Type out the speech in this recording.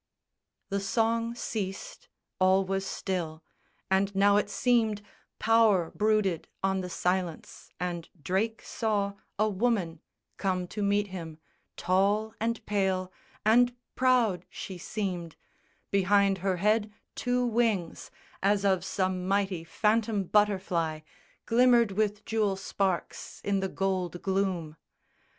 _ The song ceased: all was still; and now it seemed Power brooded on the silence, and Drake saw A woman come to meet him, tall and pale And proud she seemed: behind her head two wings As of some mighty phantom butterfly Glimmered with jewel sparks in the gold gloom.